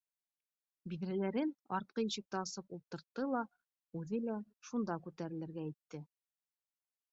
Биҙрәләрен артҡы ишекте асып ултыртты ла үҙе лә шунда күтәрелергә итте